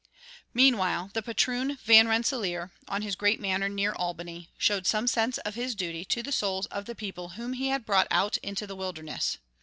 Meanwhile the patroon Van Rensselaer, on his great manor near Albany, showed some sense of his duty to the souls of the people whom he had brought out into the wilderness.